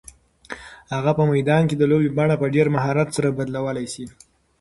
هغه په میدان کې د لوبې بڼه په ډېر مهارت سره بدلولی شي.